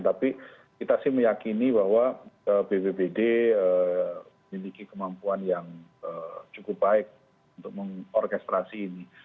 tapi kita sih meyakini bahwa bpbd miliki kemampuan yang cukup baik untuk mengorkestrasi ini